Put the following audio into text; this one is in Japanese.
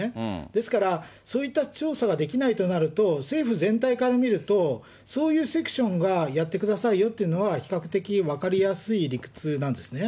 ですから、そういった調査ができないとなると、政府全体から見ると、そういうセクションがやってくださいよというのは比較的、分かりやすい理屈なんですね。